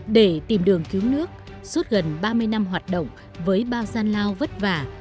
để tìm đường cứu nước suốt gần ba mươi năm hoạt động với bao gian lao vất vả